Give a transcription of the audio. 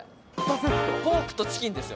ポークとチキンですよ。